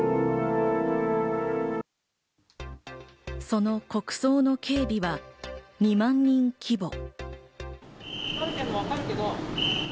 その国葬の警備は２万人規模。